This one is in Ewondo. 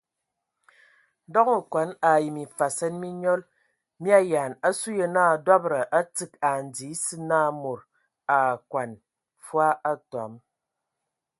Ndɔŋ okɔn ai mimfasɛn mi nyɔl mi ayaan asu yə naa dɔbəda a tsig ai ndi esə na mod a akɔn fwa atɔm.